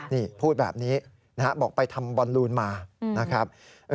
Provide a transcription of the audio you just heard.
นี่พูดแบบนี้นะฮะบอกไปทำบอลลูนมานะครับ